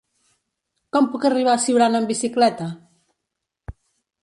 Com puc arribar a Siurana amb bicicleta?